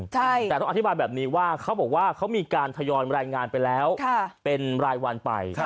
แต่ต้องอธิบายแบบนี้ว่าเขาบอกว่าเขามีการทยอยรายงานไปแล้วเป็นรายวันไป